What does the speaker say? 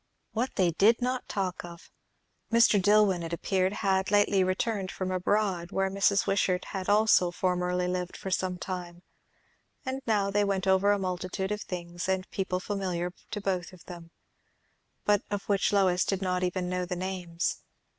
What did they not talk of! Mr. Dillwyn, it appeared, had lately returned from abroad, where Mrs. Wishart had also formerly lived for some time; and now they went over a multitude of things and people familiar to both of them, but of which Lois did not even know the names.